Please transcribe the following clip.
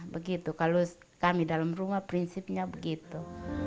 begitu kalau kami dalam rumah prinsipnya begitu